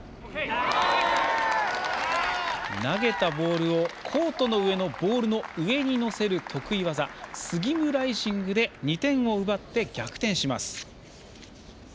投げたボールをコート上のボールの上に乗せる得意技、スギムライジングで２点を奪って逆転します。